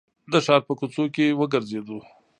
د ښار په کوڅو کې وګرځېدو.